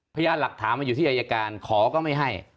พยานหลักฐานมันอยู่ที่อายการขอก็ไม่ให้